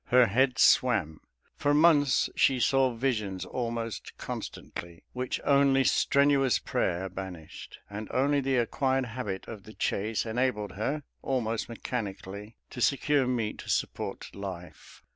Her head swam; for months she saw visions almost constantly, which only strenuous prayer banished, and only the acquired habit of the chase enabled her, almost mechanically, to secure meat to support life.